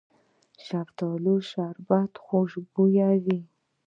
د شفتالو شربت خوشبويه وي.